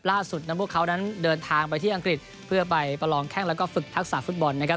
ล่าสุดนั้นพวกเขานั้นเดินทางไปที่อังกฤษเพื่อไปประลองแข้งแล้วก็ฝึกทักษะฟุตบอลนะครับ